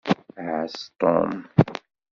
Ɛass Tom.